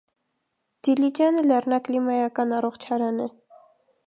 Դիլիջանը լեռնակլիմայական առողջարան է։